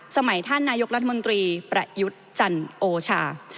สมัยท่านนายกรัฐมนตรีประยุทธ์จันโอชา